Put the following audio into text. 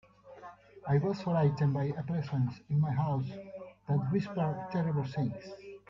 I was frightened by a presence in my house that whispered terrible things.